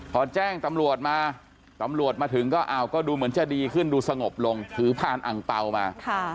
พอแจ้งตำรวจมาตำรวจมาถึงก็อ้าวก็ดูเหมือนจะดีขึ้นดูสงบลงถือผ่านอังเปล่ามา